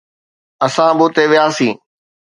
اسان به اتي وياسين.